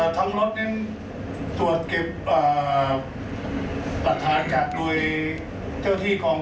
ทั้งรถตรวจเก็บปรัฐธาตุจากด้วยเจ้าที่คอง